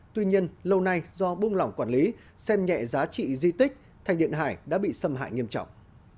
tuy nhiên lâu nay do buông lỏng quản lý xem nhẹ giá trị di tích thành điện hải đã bị xâm hại nghiêm trọng